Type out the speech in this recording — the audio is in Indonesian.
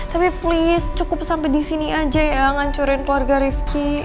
tapi please cukup sampai disini aja ya nghancurin keluarga rifki